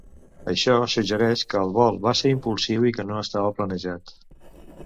Això suggereix que el vol va ser impulsiu i que no estava planejat.